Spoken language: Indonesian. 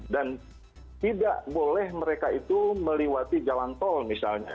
dan tidak boleh mereka itu meliwati jalan tol misalnya